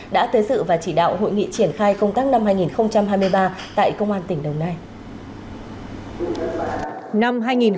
đã tới sự và chỉ đạo hội nghị triển khai công tác năm hai nghìn hai mươi ba tại công an tỉnh đồng nai